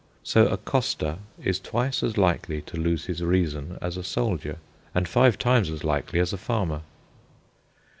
So a coster is twice as likely to lose his reason as a soldier, and five times as likely as a farmer.